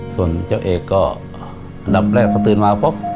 ส่วนเจ้าเอกก็อันดับแรกเขาตื่นมาปุ๊บ